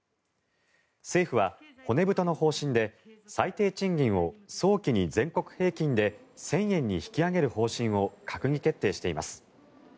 政府は骨太の方針で最低賃金を早期に全国平均で１０００円に引き上げる方針を閣議決定しています。